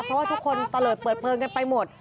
เพราะว่าทุกคนตะเลิศเปิดเพลิงกันไปหมด